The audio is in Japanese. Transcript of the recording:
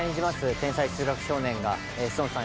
天才数学少年が志尊さん